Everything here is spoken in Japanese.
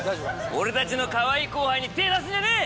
俺たちのかわいい後輩に手出すんじゃねえ！